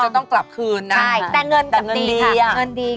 มันจะต้องกลับคืนน่ะใช่การเงินกลับเงินดีอ่ะแท่เงินคืนแท่เงินดีครับ